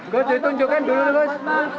gus ditunjukkan dulu gus